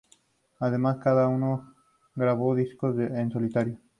Además, cada uno grabó discos en solitario.